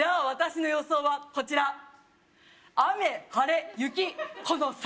私の予想はこちら雨晴れ雪